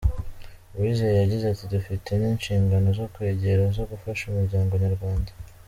Uwizeye yagize ati :”Dufite n’inshingano zo kwegera zo gufasha umuryango nyarwanda.